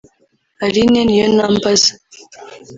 Aline Niyonambaza